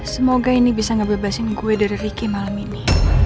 semoga ini bisa ngebebasin gue dari ricky malam ini